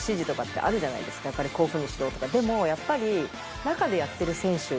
でもやっぱり。